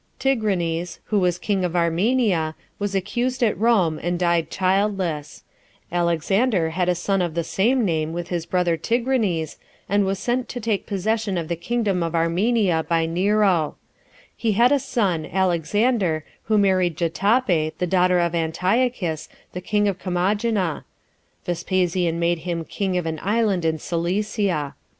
Tigranes, who was king of Armenia, was accused at Rome, and died childless; Alexander had a son of the same name with his brother Tigranes, and was sent to take possession of the kingdom of Armenia by Nero; he had a son, Alexander, who married Jotape, 17 the daughter of Antiochus, the king of Commagena; Vespasian made him king of an island in Cilicia.